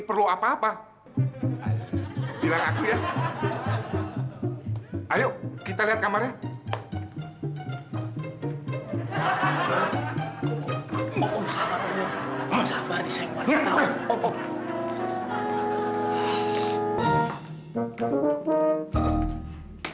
perlu apa apa bilang aku ya ayo kita lihat kamarnya mau sabar aja mau sabar di sini tahu